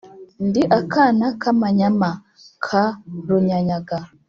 ndi akana k'amanyama ka runyanyaga